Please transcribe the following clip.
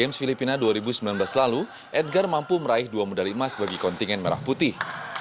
di games filipina dua ribu sembilan belas lalu edgar mampu meraih dua medali emas bagi kontingen merah putih